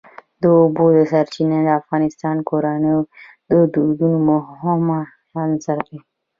د اوبو سرچینې د افغان کورنیو د دودونو مهم عنصر دی.